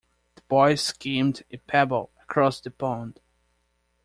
The boy skimmed a pebble across the pond.